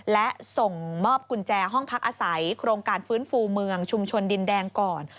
และส่งมอบกุญแจห้องพักอาศัยโครงการฟื้นฟูเมืองชุมชนดินแดงก่อน